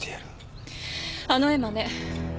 あの絵馬ね。